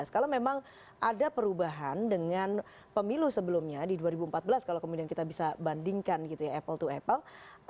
kalau memang ada perubahan dengan pemilu sebelumnya di dua ribu empat belas kalau kemudian kita bisa bandingkan gitu ya apple to apple